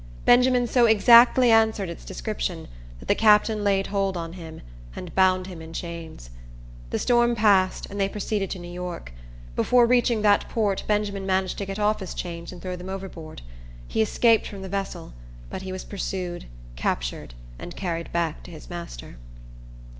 Benjamin so exactly answered its description, that the captain laid hold on him, and bound him in chains. The storm passed, and they proceeded to New York. Before reaching that port Benjamin managed to get off his chains and throw them overboard. He escaped from the vessel, but was pursued, captured, and carried back to his master.